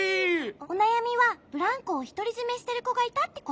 おなやみはブランコをひとりじめしてるこがいたってことね。